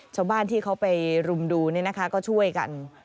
ชาวบ้านที่เขาไปรุมดูก็ช่วยกัน